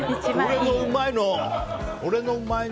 俺の、うまいの！